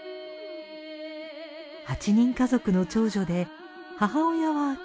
８人家族の長女で母親は教師。